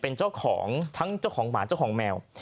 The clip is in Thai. เป็นเจ้าของทั้งเจ้าของหมาเจ้าของแมว